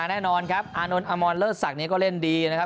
แน่นอนครับอานนท์อมรเลิศศักดิ์ก็เล่นดีนะครับ